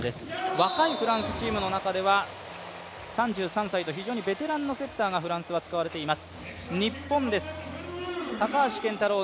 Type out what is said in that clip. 若いフランスチームの中では３３歳と非常にベテランのセッターがフランスは使われています。